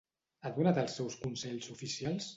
Ha donat els seus consells oficials?